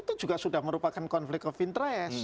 itu juga sudah merupakan konflik of interest